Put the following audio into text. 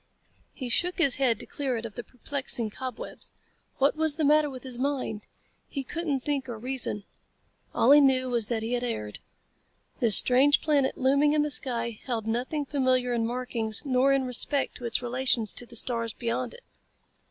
He shook his head to clear it of the perplexing cobwebs. What was the matter with his mind? He couldn't think or reason. All he knew was that he had erred. This strange planet looming in the sky held nothing familiar in markings nor in respect to its relations to the stars beyond it.